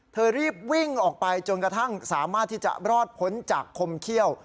รีบวิ่งออกไปจนกระทั่งสามารถที่จะรอดพ้นจากคมเขี้ยว